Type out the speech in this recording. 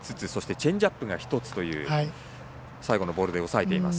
チェンジアップが１つで最後のボールで抑えています。